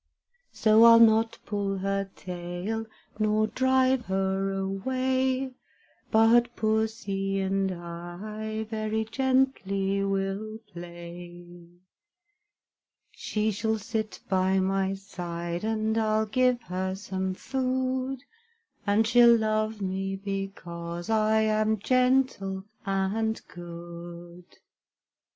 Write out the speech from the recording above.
So I'll not pull her tail, Nor drive her away, But Pussy and I Very gently will play; She shall sit by my side, And I'll give her some food; And she'll love me because I am gentle and good.